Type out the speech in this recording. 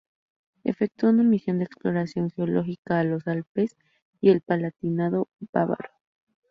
Efectúa una misión de exploración geológica a los Alpes y el Palatinado bávaro.